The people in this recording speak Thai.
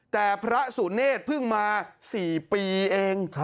แต่พระสุเนธเพิ่งมา๔ปีเอง